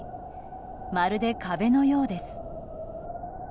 まるで、壁のようです。